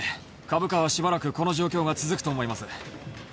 株価はしばらくこの状況が続くと思います。